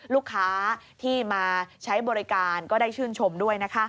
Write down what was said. ลูกค้าที่มาใช้บริการก็ได้ชื่นชมด้วยนะคะ